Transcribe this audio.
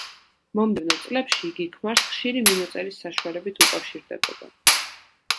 მომდევნო წლებში იგი ქმარს ხშირი მიმოწერის საშუალებით უკავშირდებოდა.